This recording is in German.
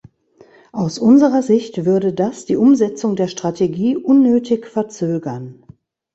Aus unserer Sicht würde das die Umsetzung der Strategie unnötig verzögern.